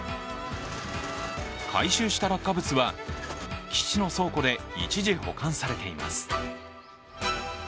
回収した落下物は基地の倉庫で一時保管されています。